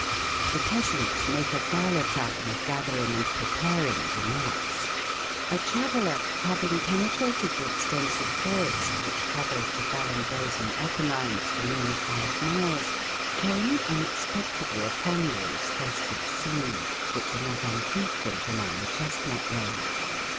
The peasants make a gala time of gathering and preparing the nuts. A traveler, having penetrated the extensive forest which covers the Vallombrosan Apennines for nearly five miles, came unexpectedly upon those festive scenes, which are not unfrequent among the chestnut range.